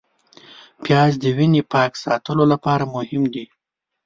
پیاز د وینې پاک ساتلو لپاره مهم دی